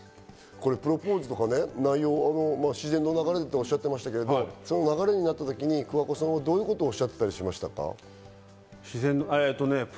プロポーズとか自然の流れでっておっしゃってましたけど、そんな流れになったときに桑子さんはどういうことをおっしゃってましたか？